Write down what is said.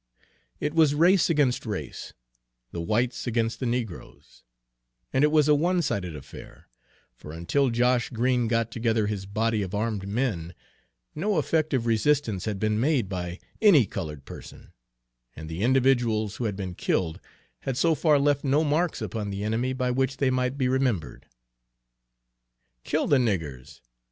It was race against race, the whites against the negroes; and it was a one sided affair, for until Josh Green got together his body of armed men, no effective resistance had been made by any colored person, and the individuals who had been killed had so far left no marks upon the enemy by which they might be remembered. "Kill the niggers!"